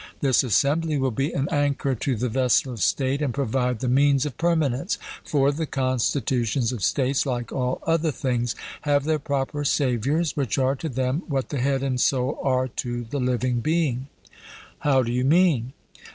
This assembly will be an anchor to the vessel of state, and provide the means of permanence; for the constitutions of states, like all other things, have their proper saviours, which are to them what the head and soul are to the living being. 'How do you mean?'